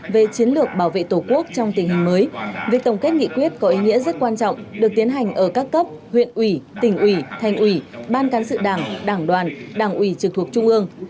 về chiến lược bảo vệ tổ quốc trong tình hình mới việc tổng kết nghị quyết có ý nghĩa rất quan trọng được tiến hành ở các cấp huyện ủy tỉnh ủy thành ủy ban cán sự đảng đảng đoàn đảng ủy trực thuộc trung ương